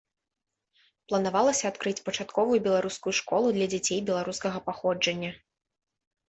Планавалася адкрыць пачатковую беларускую школу для дзяцей беларускага паходжання.